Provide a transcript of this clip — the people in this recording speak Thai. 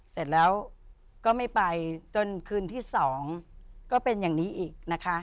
เสร็จแล้วก็ไม่ไปจนคืนที่๒ก็เป็นอย่างนี้อีกนะคะ